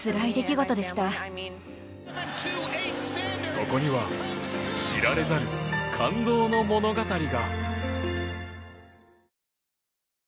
そこには知られざる感動の物語が。